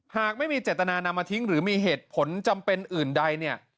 หากไม่มีเจตนานำมาทิ้งหรือมีเหตุผลจำเป็นอื่นใดเนี่ย